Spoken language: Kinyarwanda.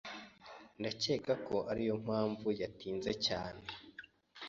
Ndakeka ko ariyo mpamvu yatinze cyane.